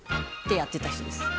やってた人です。